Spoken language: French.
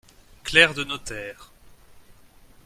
clerc de notaire.